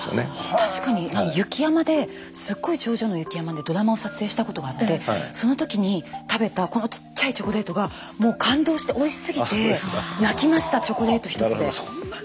確かに雪山ですっごい頂上の雪山でドラマを撮影したことがあってその時に食べたちっちゃいチョコレートがもう感動しておいしすぎて泣きましたチョコレート１つで。